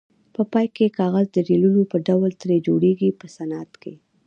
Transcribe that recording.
په پای کې کاغذ د ریلونو په ډول ترې جوړیږي په صنعت کې.